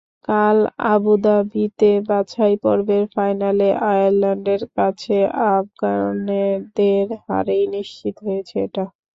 কাল আবুধাবিতে বাছাইপর্বের ফাইনালে আয়ারল্যান্ডের কাছে আফগানদের হারেই নিশ্চিত হয়েছে এটা।